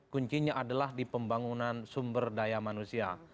kuncinya adalah di pembangunan sumber daya manusia